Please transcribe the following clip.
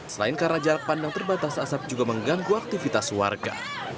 selain karena jarak pandang terbatas asap juga mengganggu aktivitas warga